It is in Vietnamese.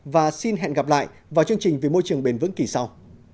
và xin hẹn gặp lại vào chương trình vì môi trường bền vững kỳ sau